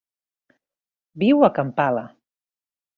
Viu a Kampala.